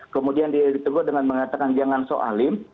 kemudian dia ditegur dengan mengatakan jangan so alim